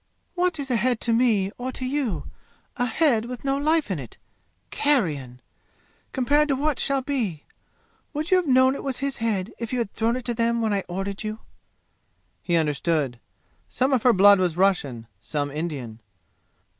"What is a head to me, or to you a head with no life in it carrion! compared to what shall be? Would you have known it was his head if you had thrown it to them when I ordered you?" He understood. Some of her blood was Russian, some Indian.